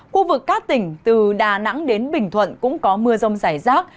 khu vực các tỉnh từ đà nẵng đến bình thuận cũng có mưa rông rải rác